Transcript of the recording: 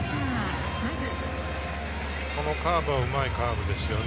このカーブ、うまいカーブですね。